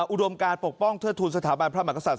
อุดมการปกป้องเทิดทุนสถาบันพระมหากษัตริย